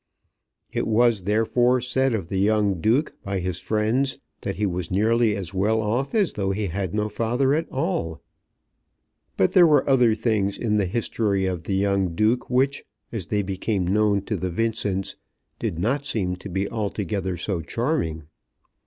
It was therefore said of the young Duke by his friends that he was nearly as well off as though he had no father at all. But there were other things in the history of the young Duke which, as they became known to the Vincents, did not seem to be altogether so charming.